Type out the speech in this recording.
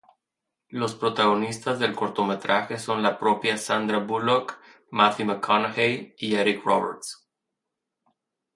Los protagonistas del cortometraje son la propia Sandra Bullock, Matthew McConaughey y Eric Roberts.